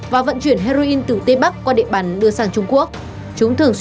và vận chuyển heroin từ tây bắc qua địa bàn đưa sang trung quốc